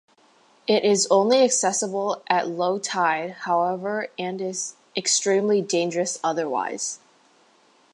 It is only accessible at low tide however and is extremely dangerous otherwise.